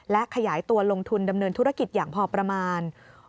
และขยายตัวลงทุนดำเนินธุรกิจอย่างพอประมาณ